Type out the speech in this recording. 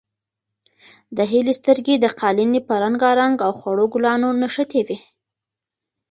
د هیلې سترګې د قالینې په رنګارنګ او خړو ګلانو کې نښتې وې.